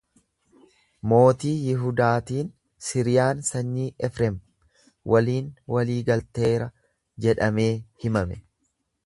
Mootii Yihudaatiin Siriyaan sanyii Efrem waliin walii galteera jedhamee himame.